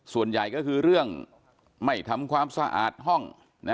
ส่วนใหญ่ก็คือเรื่องไม่ทำความสะอาดห้อง